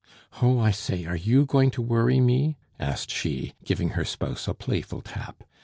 "Oh, I say, are you going to worry me?" asked she, giving her spouse a playful tap.